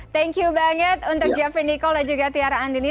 thank you banget untuk jeffrey nicole dan juga tiara andini